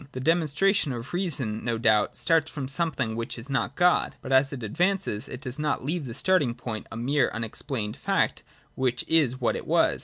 The demonstration of reason no doubt starts from something which is not God. But, as it advances, it does not leave the starting point a mere unex plained fact, which is what it was.